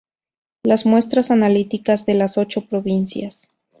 las muestras analíticas de las ocho provincias